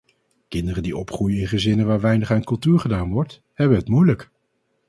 Kinderen die opgroeien in gezinnen waar weinig aan cultuur gedaan wordt, hebben het moeilijk.